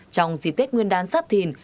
trong dịp tết nguyên đán sắp thìn